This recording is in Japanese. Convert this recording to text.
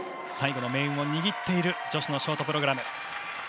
最後の命運を握っている女子のショートプログラム。